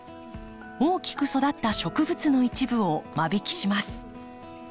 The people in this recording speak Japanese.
大きく育った植物の一部を間引きします。